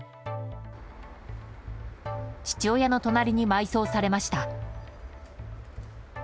父親の隣に埋葬されました。